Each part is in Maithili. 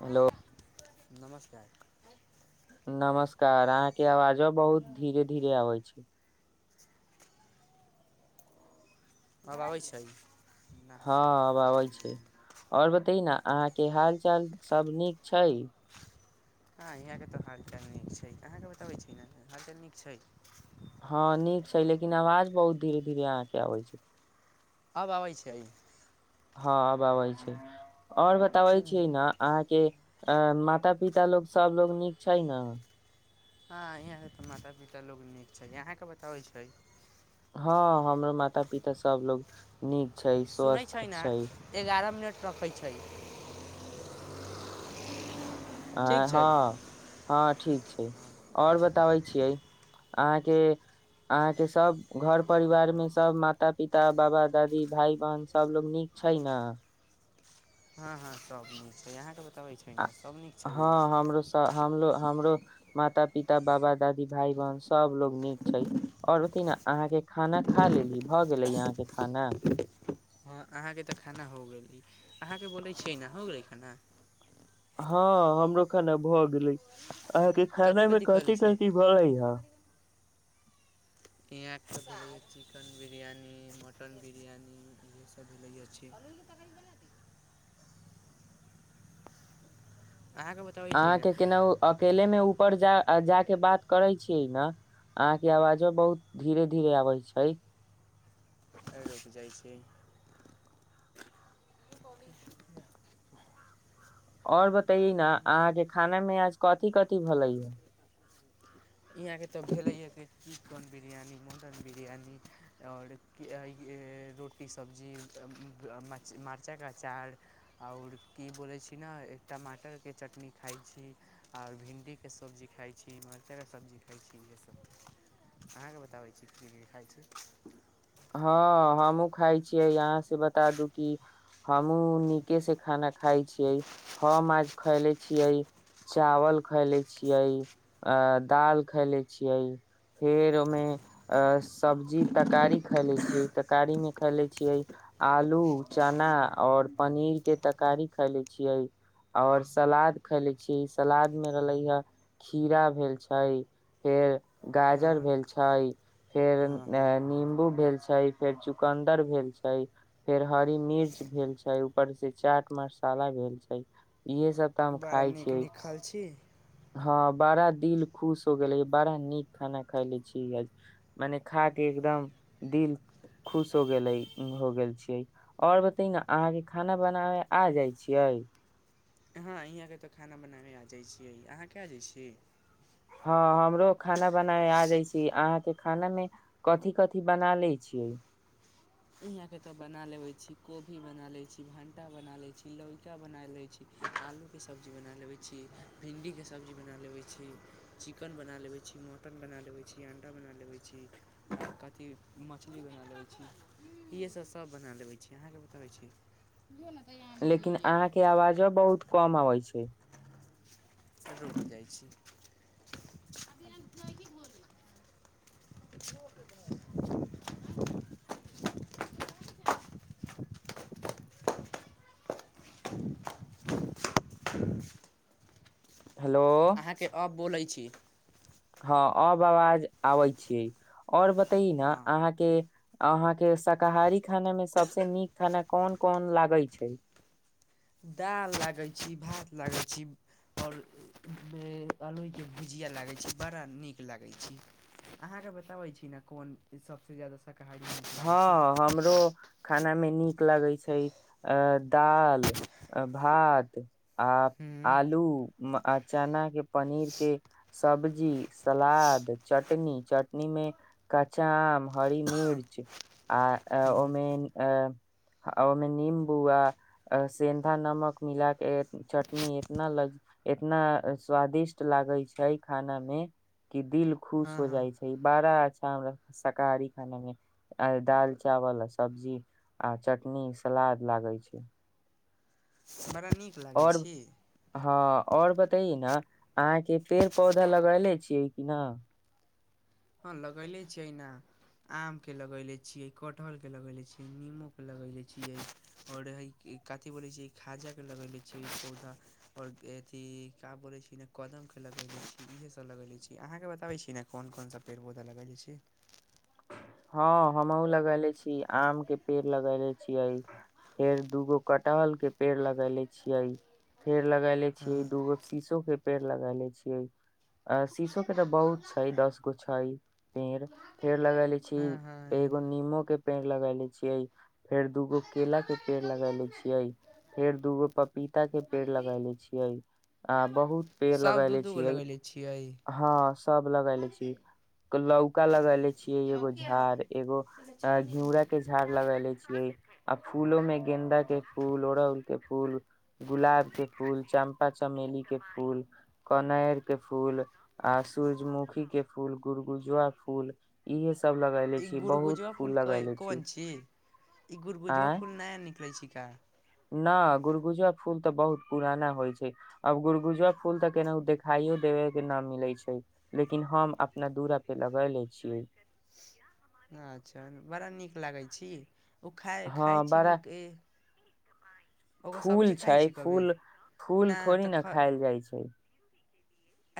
हेलो। [unintelligible] नमस्ते। [unintelligible] नमस्कार अहाँके आवाजो बहुत धीरे- धीरे आबै छै। [unintelligible] आब आबैत छै। [unintelligible] हँ आब आबै छै। [unintelligible] आओर बतै न अहाँके हाल चाल सब नीक छै। [unintelligible] हँ इहाँके तऽ हालचाल नीक छै अहाँकेँ बताबै छी ने हालचाल नीक छै। [unintelligible] हँ नीक छै लेकिन आवाज बहुत धी-रे धीरे अहाँके अबै छै। [unintelligible] आब आबै छै अइ। [unintelligible] हँ आबबै छै। [unintelligible] आओर बताबै छी हँ ने अहाँके। [unintelligible] अ माता पिता लोकोग सबलोग नीक छै न। [unintelligible] हँ यहाँ तऽ माता- पिता लोग नीक छै यहाँके बताबै छै। [unintelligible] हँ हमर माता पिता सब लोग नीक। छै सुनैत छै स्वस्थ ने एगारह मिनट। रखै छै। [unintelligible] आ ठीक छै हँ। [unintelligible] हँ ठीक छै आओर बताबै छियै अहाँके -अहाँके सब घर परिवार मे सब माता- पिता बाबा दादी भाय- बहन सबलोग नीक छै ने। हँ -हँ सभ नीक छै यहाँके ब। -हँ हमरो- हमो हमरो। माता पिता बाबा दादी भााय बहन सब लोग नीक छै और ओथि ने अहाँ के खाना खा लेली भऽ गेले अहाँ के खाना। [unintelligible] हँ अहाँके तऽ खाना हो गेलै अहाँके बोलै छियै न हो गेलै ख़ाना। [unintelligible] हँ हमरो खान भऽ गेलै। [unintelligible] अहके कथि खरना मे कथि खयले कथिी छी कथिी भै हा। [unintelligible] यहाँ भेल चिकेन बिरियानी मटन बिरियानी इहसभिलै अछि। [unintelligible] अहाँके बताबै छै ने अहाँके केना अकेले मे ऊपर जा। आ जा के बात करे छियै न अहाके आवाजो बहुत धीरे -धीरे आबै छै। [unintelligible] एहि ल कऽ जाइ छी। [unintelligible] आओर बतैए ने अहाँके खाना मे आज कथी कथिी भै हा। [unintelligible] इहाँके तऽ भेलैए कि चिकन बिरयानी मटन बिरयानी आओर रोटी सब्जी मरचाइके अचार आओर की बोलैत छी ने टमाटरके चटनी खाइत छी आओर भिण्डीके सब्जी खाइत छी। कत सब्जी खाइ छी इएह सब अहाँके बताबै छी की खाइ छी। [unintelligible] हँ हमहुँ खाइ यहाँ से बता दू कि हमूँ निके से खाना खााय छियै हम आज खैले छियै चावल खैले छियै- दाल खैले छियै फेर -ओहिमे सब्जी तरकारी। खाये छियै तरकारी मे खाय ले छियै आलू चना और पनीर के तरकारी खााय ले छियै और सलाद खाय ले छियै सलाद मे रहले ह खीरा भेल छै फेर हँ गाजर भेल छै फेर हँ हँ - नींबू। भेल छै फेर चुकन्दर भेल छै फेर हरी मिर्च भेल छै ऊपर से चाट मसाला भेल छै इहे सब। तऽ हम बड़ा खाय नीक- छियै नीक हाल छी। [unintelligible] हँ बड़ा दिल खुश हो गेलै बड़ा नीक खाना खायले छीिय मने खा के एकदम दिल खुश हो गेले हो गेल छियै आओर बते ने अहाँके खाना बनाबे आ जाइ छियै। [unintelligible] हँ इहाँके तऽ खाना बनाबै आ जाइ छियै अहाँ क आ जाइ छी। [unintelligible] हँ हमरो खाना बनाब आ जाै छी अहाँके खाना मे कथिी- कथिी बना ले छियै। [unintelligible] यियाँके तऽ बना लेबैत छी कोबी बना लैत छी भण्टा बना लैत छी लड़का बना लैत छी आलूके सब्जी बना लेबैत छी भिंडीके सब्जी बना लेबैत छी चिकन बना लेबैत छी मटन बना लेबैत छी अंडा बना लेबैत छी कथी मछली बना लबैत छी। इएहसभ सभ बना लेबै छी अहाँकेँ बताबै छी। [unintelligible] लेकिन अहाँके आवाजो बहुत कम अबै छै। रुक [unintelligible] जाइ छी [unintelligible] हेलो अहाँके अब बोलैत। [unintelligible] छी। [unintelligible] हँ अब आवाज आबै छीियै और बते न हँ अहाँ के- अहाँ के शाकाहारी खाना मे सबस नीक खाना कोन कोन लागे छै। [unintelligible] दाल लागै छी भात लागैत छी -आओर अलहि के भुजिया लागैत छी बड़ा नीक लागैत छी अहाँके बताबै छी ने कोन सबस ज्यादा। शाकाहारी नीक लागै छै हँ हमरो खाना मे नीक। नीक लगै छै -अ दाल -भात आ हूँ आलू आ चना के पनीर के सब्जी सलाद चटनी -चटनी मे क्च आम हरी मिर्च। आ हूँ ओहिमे ओहिमे निम्बू आ सेन्धा नमक मिलााके चटनी इतना लग इतना स्वादिष्ट लागै छै खाना मे कि दिल खुश हँ हो हँ जाइ छै ई बड़ा अच्छा हमरा शाकाहारी खाना मे। [unintelligible] आ दाल चावल आ सब्जी आ चटनी सलाद लागे छै। [unintelligible] बरा। [unintelligible] नीक लागै छी। [unintelligible] आओर बतैयए न अहाँके पेड़ पौधा लगेले छियै कि न। हँ लगैले छियै ने आम के लगैले छियै कटहरके लगैले छियै निीमोके लगैले छियै आओर कथी बोलैत छियै खाजाके लगैले छियै पौधा आओर अथी का बोलैत छीिय कदमके लगले छीियै इह सभ लगले छीियै अहाँकेँ बताबैत छीै ने कोन कोन सभ। पेड़ पौधा लगाायल जाइ छै। हँ हमहु लगैले छीिय आम के पेड़ लगेले छियै फेर दूगो कटहल के पेड़ लगैेले छियै फेर। लगेले छी हँ दूगो शीशो के। [unintelligible] पेड़ लग ले छियै शीसो के तऽ बहुत छै दस गो छै पेड़ -पेड़ लगा ले छी। छी हँ हँ एगो नीमो के पेड़ लगा ले छीये फेर दूगो केला के पेड़ लगाय ले छीिये फेर दूगो पपीता के पेड़ लगाय ले छीियै आ बहुत। पेड़ सभ दू लगेले दू गो छियै लगैले छियै हँ। सब लगले छी लौका लगले छीयै एगो। झाड़ एगो घिउरा के झड़ लग ले छीियै आ फूलो में गेदाा के फूल ओड़हुल के फूल गुलाब के फूल चम्पा चमेली के फूल कोनर के फूल आ सूरजमुखी के फूल गुड़गुजुआ फूल इहे। सब लगेले ई छी बहुत गुड़गुजबा फूल लगेले कोन छी ई गुड़गुजबा आय फूल नया निकलै छिका। गुड़गुजा फूल तऽ बहुत पुराना होइ छै अब गड़गुजा फूल तऽ केनाहु देखाइो देबे के न मिले छै लेकिन हम अपना दुूरा पे लगा ले छियै। अच्छा बड़ा नीक लागै छी। ओ खाइ खाइ हँ छी बड़ा क। फूल छै छी कभी फूल फूल ना थोड़ी तऽ ने ख खायल जाइ छै।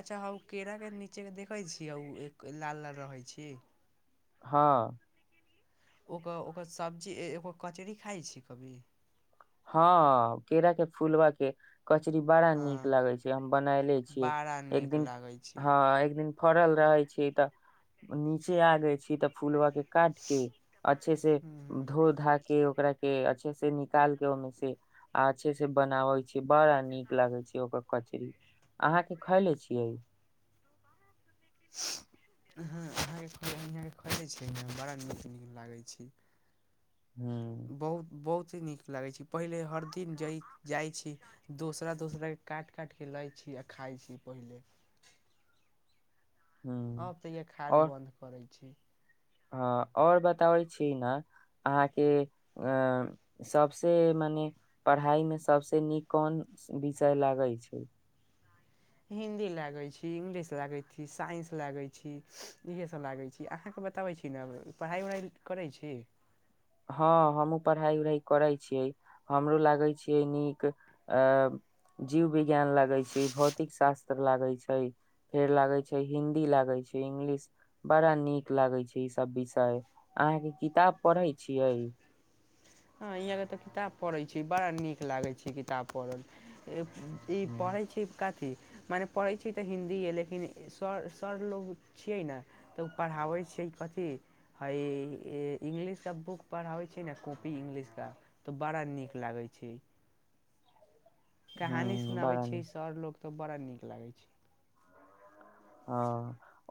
अच्छा हँ ओ केराके नीचेके देखैत छियै ओ एक लाल लाल रहै छी। हँ। ओकर ओकर सब्जी ओ कचरी खाइ छी कभी। हँ केरा के फुलवा के। कचरी बड़ा हँ नीक लागै छै हम बनायले छियै बड़ा एक नीक दिन लागै छै हँ एक दिन। फड़ल रहे छी तऽ नीचे आगे छी तऽ फूलब के। काट के अच्छे से हूँ हूँ धो धा। के ओकरा के अच्छे से निकाल। ओहिमे से अच्छे से बनाबै छी बड़ा नीक लगे छै ओकर कचरीी अहाँ के खैले छियै। हँ अहाँके खोजै छै ने बड़ा नीक नीक लागै छै। ह बहुत बहुत। सभ चीज नीक लगै छै पहिले हर दिन जइ जाइ छी दोसरा दोसराके काटि काटि कऽ लै छी आ खाइ छी पहिले। अ ह तऽ य खाज और बन्द कर छै। छै। हँ आओर बताबै छी ने अहाँके सभसँ मने पढ़ाइमे सभसँ नीक कोन विषय लगैत छै। हिंदी लागै छी इंग्लिश लागै छी साइंस लागै छी इएहसभ लागै छी अहाँकेँ बताबै छी ने पढ़ाइ उढ़ाइ करै छी। हँ हमहूँ पढ़ाई उढ़ाई करै छियै हमरो लागै छियै नीक अ जीव विज्ञान लागैत छै भौतिक शास्त्र लागैत छै फेर लागैत छै हिन्दी लागैत छै इंगलिश बड़ा नीक लागैत छै ईसभ विषय अहाँके किताब पढ़ैत। छियइ। हँ इियाँके तऽ किताब पढ़ैत छी बड़ा नीक लागैत छै किताब पढ़ल। ई ह पढ़ै छी कथी। मने पढ़ै छियै तऽ हिन्दी लेकिन सर सर लोग छियै ने तऽ ओ पढ़ाबैत छियै कथी हइ इंग्लिश सब बुक पढ़ाबैत छियै ने। इंगलिश का तऽ बड़ा नीक लागै छै। कहानी सुनाबे बड़ा छैै नीक स आओर लोग। तऽ बड़ा नीक लागै छै। [unintelligible] हँ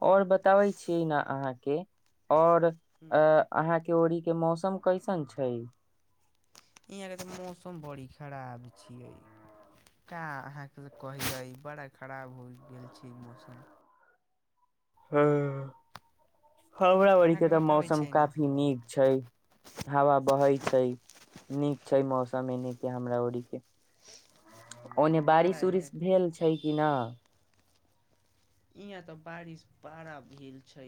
आओर बताबै छीिय न अहाँके। [unintelligible] और [unintelligible] छै अहाँ। के्योरीके मौसम कैसन छै। [unintelligible] यहाँके तऽ मौसम बड़ी खराब छियै का अहाँके त कहैै बड़ा खराब हो गेल छै ई मौसम। हँ। हावड़ाबड़ी के अहाँके तऽ बताबै मौसम छियै ने काफी नीक छै हवा बहै छै। नीक छै मौसम एने के हमरा ओरीक के। [unintelligible] ओने बड़ा बारिश उरिश यहाँ भेल छै कि न। [unintelligible] इहाँ तऽ बारिश बड़ा भेल छै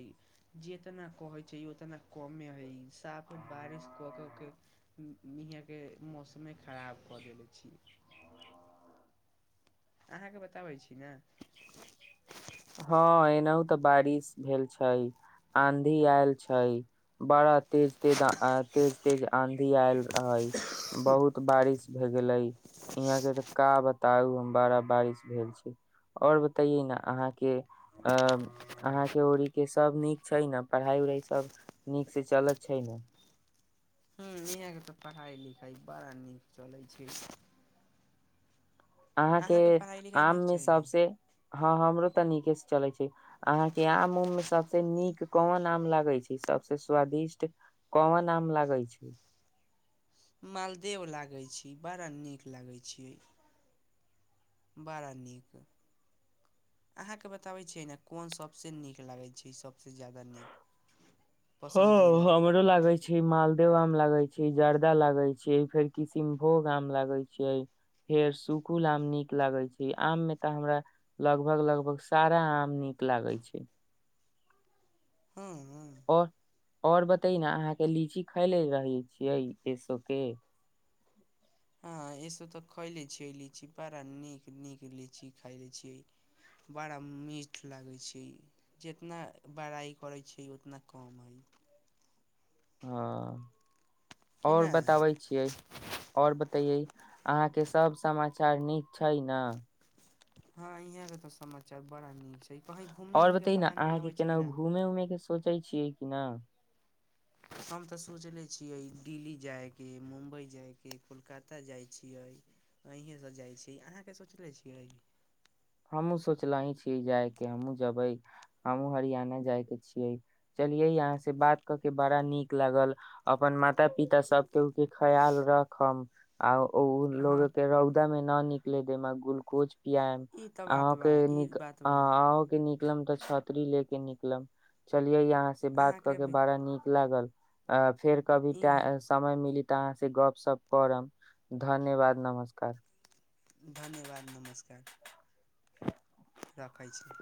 जतना कहै छै उतना कमे हइ साफे बारिश कऽ- कऽ के इहाँ के मौसमे खराब कऽ देले छी। [unintelligible] अहाँके बताबै छी ने। [unintelligible] हँ एनाहु तऽ बारिश भेल छै आंधी आयल छै बड़ा तेज -तेज- तेज तेज आंधी आयल रह बहुत बारिश भ गेले यहाँ के तऽ का बताउ हम बड़ा बारिश भेल छै और बतैे ने अहाँ। के अहाँके ओरीके सभ नीक छै ने पढ़ाइ उढ़ाइ सभ नीकसँ चलैत छै ने। [unintelligible] ह इहाँके तऽ पढ़ाइ लिखाइ बड़ा नीक चलै छै। [unintelligible] अहाँके पढ़ाइ लिखाइ आम नीक मे छै सबस हँ -हमरो। त नीकेसँ चलै छै अहाँके आम उम मे सभस नीक कोन आम लागै छै सभस स्वादिष्ट कोन आम लागै छै। [unintelligible] मालदेव लागैत छी बड़ा नीक लागैत छी। [unintelligible] बड़ा नीक। [unintelligible] अहाँके बताबै छियै ने कोन सभसँ नीक लागै छै सभसँ जादा नीक। [unintelligible] ह पसन्दीदा हमरो लागै छै मालदेव आम। [unintelligible] लगै छै जर्दा लागै छै फेर किशनभोग आम लागै छै फेर सुूखल आम नीक लागै छै आम मे तऽ हमरा लगभग -लगभग सारा आम नीक लागै छै। हँ। [unintelligible] आओर बतै न अहाँके लीची खायले रहै छियै ए सब के। [unintelligible] हँ एहिसभ तऽ खयले छियै लीची बड़ा नीक नीक लीची खाय ले छियै बड़ा मीठ लागै छै जितना बड़ाइ करै छैिय उतना कम हइ। [unintelligible] हँ। [unintelligible] कि ओर ना बताबै छियै [unintelligible] आओर बतैये। [unintelligible] अहाँके सभ समाचार नीक छै ने। [unintelligible] हॅं यहां के तो समाचार बड़ा नीक छै। [unintelligible] घूमे और उमे के बताये न प्लान अहाँके बनाबै छै कि केना ना घूमे उऊमे के। सोचै छियै कि नहि। [unintelligible] हम तऽ सोचले छियै दिल्ली जायके ह मुम्बइ जायके कोलकाता जाइत छियै अहीँसँ जाइत छियै अहाँके सोचले छियै। [unintelligible] हमहुूँ सोचलेी छीियै जाय के हमहूँ जेबै हमहुूँ हरियाणा जाय के छियै चलियै यहाँ से बात कऽ के बड़ा नीक लागल अपन माता- पिता सबके ओके खयाल राखब आ। ओ लोग हँ के रौदा मे न निक। पे दे गुलकुच। पआम। ई [unintelligible] तऽ आह बात ओके बा ई नीक बात आ बा -आहके नीक। न तऽ छाती ले के निकलम चल। [unintelligible] ये अहाँ से बात क अहाँके के भी बड़ा नीक लागल। आ। [unintelligible] फेर कभी ई टा समय मिली त कहां से गप सप करब, धन्यवाद नमस्कार। धन्यवाद नमस्कार। राखै छी।